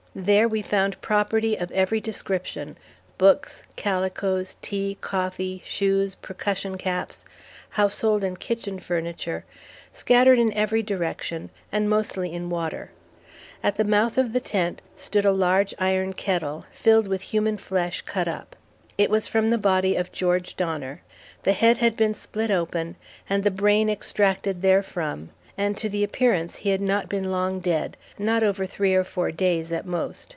There we found property of every description, books, calicoes, tea, coffee, shoes, percussion caps, household and kitchen furniture, scattered in every direction, and mostly in water. At the mouth of the tent stood a large iron kettle, filled with human flesh cut up. It was from the body of George Donner. The head had been split open, and the brain extracted therefrom; and to the appearance he had not been long dead not over three or four days, at most.